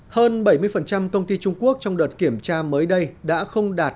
hơn bảy mươi công ty trung quốc trong đợt kiểm tra mới đây đã không đạt